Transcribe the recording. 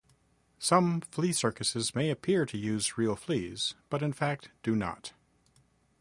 Some flea circuses may appear to use real fleas, but in fact do not.